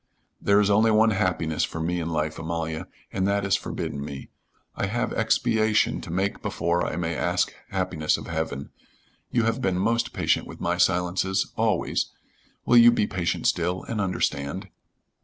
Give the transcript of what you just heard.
"There is only one happiness for me in life, Amalia, and that is forbidden me. I have expiation to make before I may ask happiness of heaven. You have been most patient with my silences always will you be patient still and understand?"